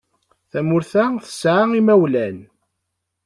Tamurt-a tesɛa imawlan.